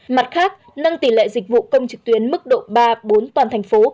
mặt khác nâng tỷ lệ dịch vụ công trực tuyến mức độ ba bốn toàn thành phố